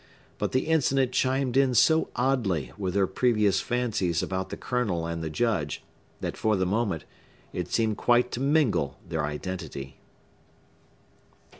But the incident chimed in so oddly with her previous fancies about the Colonel and the Judge, that, for the moment, it seemed quite to mingle their identity.